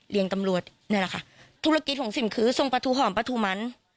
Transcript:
ตำรวจนี่แหละค่ะธุรกิจของซิมคือทรงประทูหอมปลาทูมัน